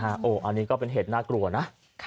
อันนี้ก็เป็นเหตุน่ากลัวนะ